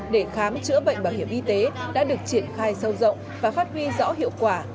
để khám chữa bệnh bảo hiểm y tế đã được triển khai sâu rộng và phát huy rõ hiệu quả